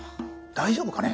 大丈夫かね？